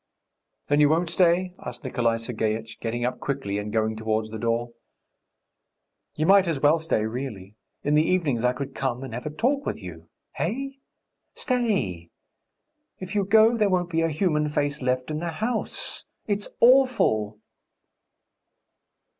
"Then you won't stay?" asked Nikolay Sergeitch, getting up quickly and going towards the door. "You might as well stay, really. In the evenings I could come and have a talk with you. Eh? Stay! If you go, there won't be a human face left in the house. It's awful!"